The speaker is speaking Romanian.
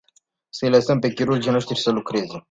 Să-i lăsăm pe chirurgii noști să lucreze.